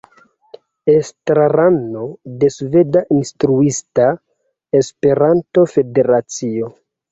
Estrarano de Sveda Instruista Esperanto-Federacio.